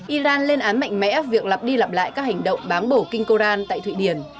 iran lên án mạnh mẽ việc lặp đi lặp lại các hành động bám bổ kinh koran tại thụy điển